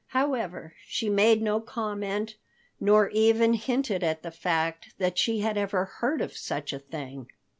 However, she made no comment, nor even hinted at the fact that she had ever heard of such a thing.